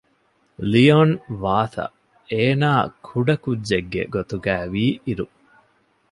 ލިއޮން ވާރތަށް އޭނާ ކުޑަކުއްޖެއްގެ ގޮތުގައިވީ އިރު